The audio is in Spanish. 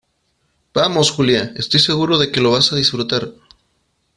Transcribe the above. vamos, Julia , estoy seguro de que lo vas a disfrutar.